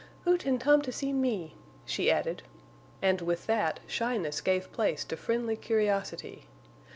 "Oo tan tom to see me," she added, and with that, shyness gave place to friendly curiosity.